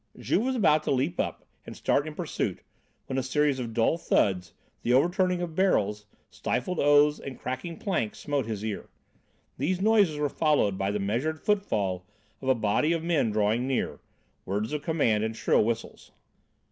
Juve was about to leap up and start in pursuit when a series of dull thuds, the overturning of barrels, stifled oaths and cracking planks smote his ear. These noises were followed by the measured footfall of a body of men drawing near, words of command and shrill whistles.